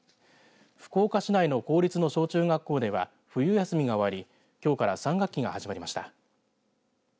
福岡市内の公立の小中学校では冬休みが終わりきょうから３学期が始まりました。